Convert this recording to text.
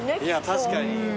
確かに。